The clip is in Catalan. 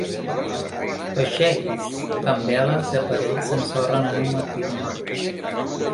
Vaixells que amb veles i aparell s’ensorren en un matí de maig.